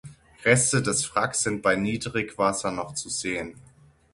Reste des Wracks sind bei Niedrigwasser noch zu sehen.